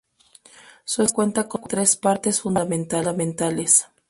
Su estructura cuenta con tres partes fundamentales.